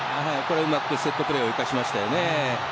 うまくセットプレーを生かしましたよね。